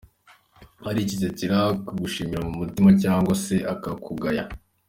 Aricecekera akagushimira mu mutima cyangwa se akakugaya.